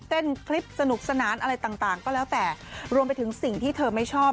เล่นคลิปสนุกสนานอะไรต่างก็แล้วแต่รวมไปถึงสิ่งที่เธอไม่ชอบ